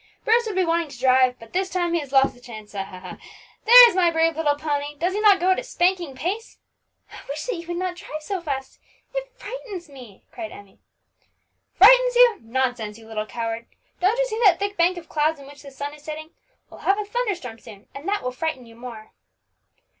"Bruce would be wanting to drive; but this time he has lost the chance, ha! ha! ha! There's my brave little pony, does he not go at a spanking pace?" "I wish that you would not drive so fast, it frightens me!" cried Emmie. "Frightens you! nonsense, you little coward! Don't you see that thick bank of clouds in which the sun is setting? We'll have a thunderstorm soon, and that will frighten you more."